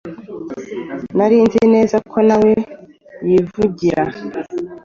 Nari nzi neza ko nawe yivugira.